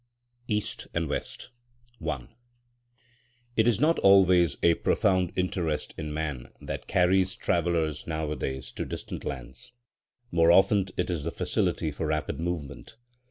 EAST AND WEST I It is not always a profound interest in man that carries travellers nowadays to distant lands. More often it is the facility for rapid movement.